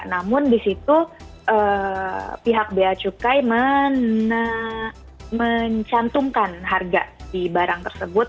namun di situ pihak bea cukai mencantumkan harga di barang tersebut